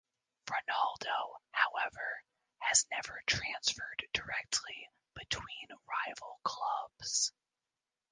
Ronaldo, however, has never transferred directly between rival clubs.